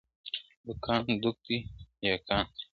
دوکان دوک دی یا کان دی ..